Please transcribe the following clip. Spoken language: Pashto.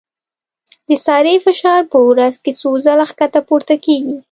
د سارې فشار په ورځ کې څو ځله ښکته پورته کېږي.